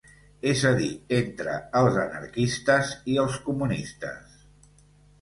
És a dir, entre els anarquistes i els comunistes